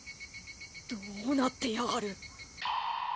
どうなってやがる！？